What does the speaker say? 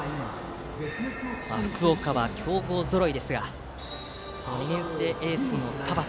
福岡は強豪ぞろいですが２年生エースの田端。